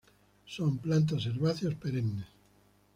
Son plantas herbáceas perennes.